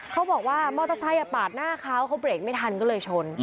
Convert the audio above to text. เขาบอกว่ามอเตอร์ไซค์ปาดหน้าเขาเขาเบรกไม่ทันก็เลยชน